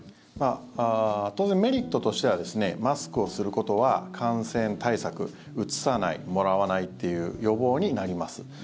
当然、メリットとしてはマスクをすることは感染対策うつさない、もらわないという予防になります。